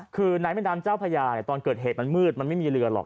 คือในแม่น้ำเจ้าพญาตอนเกิดเหตุมันมืดมันไม่มีเรือหรอก